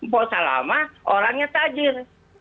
posa lama orangnya tajir